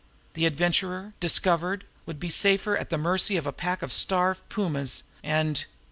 The Adventurer, discovered, would be safer at the mercy of a pack of starved pumas, and...